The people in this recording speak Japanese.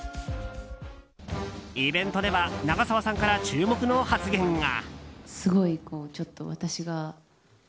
イベントでは長澤さんから注目の発言が。